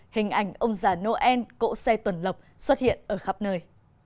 hình ảnh ông già noel cỗ xe tuần lọc xuất hiện ở khắp nơi